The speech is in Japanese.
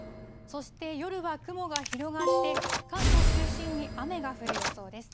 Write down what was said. そして夜は雲が広がって、関東を中心に雨が降る予想です。